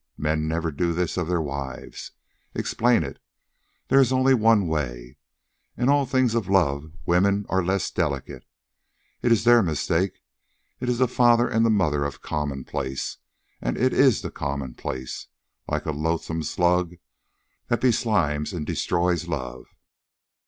Men never do this of their wives. Explain it. There is only one way. In all things of love women are less delicate. It is their mistake. It is the father and the mother of the commonplace, and it is the commonplace, like a loathsome slug, that beslimes and destroys love.